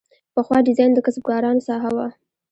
پخوا ډیزاین د کسبکارانو ساحه وه.